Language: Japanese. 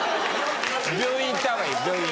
病院行った方がいい病院。